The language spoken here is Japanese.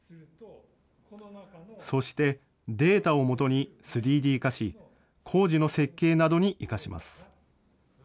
そして、データを基に３Ｄ化し、工事の設計などに生かします。